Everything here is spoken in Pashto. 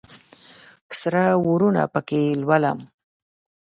سره اورونه پکښې لولم